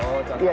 oh contoh ya